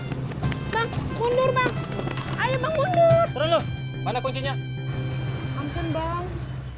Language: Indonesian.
hai bang mundur bang ayo bang mundur terlalu mana kuncinya ampun bang